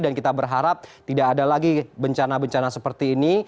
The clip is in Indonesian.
dan kita berharap tidak ada lagi bencana bencana seperti ini